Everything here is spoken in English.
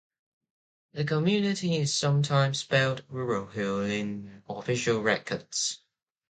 The community is sometimes spelled "Ruralhill" in official records.